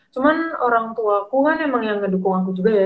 cuman orangtuaku kan emang yang ngedukung aku juga ya